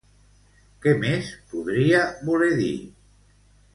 Què més podria voler dir?